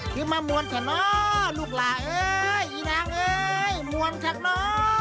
ขึ้นมามวนฉันเนอะลูกหล่าเอ้ยอีนางเอ้ยมวนฉันเนอะ